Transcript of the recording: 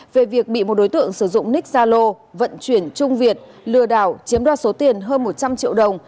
về việc bị một đối tượng sử dụng ních gia lô vận chuyển trung việt lừa đảo chiếm đoạt số tiền hơn một trăm linh triệu đồng